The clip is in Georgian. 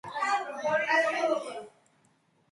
აქაც მარტივად რომ ავხსნათ, ავიღოთ წყლის მსხვილი და წვრილი მილი.